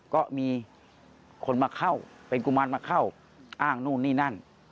ก็มีคนมาเข้าเป็นกุมารมาเข้าอ้างนู่นนี่นั่น